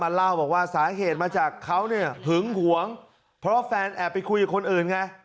เล่าบอกว่าสาเหตุมาจากเขาเนี่ยหึงหวงเพราะแฟนแอบไปคุยกับคนอื่นไง